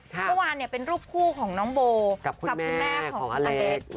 เมื่อวานเป็นรูปคู่ของน้องโบกับคุณแม่ของอเล็ก